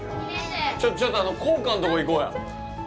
ちょっと校歌のとこ行こうや。